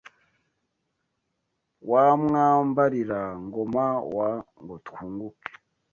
Wa Mwambarira-ngoma wa Ngo-twunguke